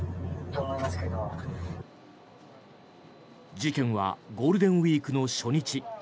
事件はゴールデンウィークの初日